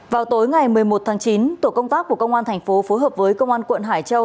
vào tối ngày một mươi một tháng chín tổ công tác của công an thành phố phối hợp với công an quận hải châu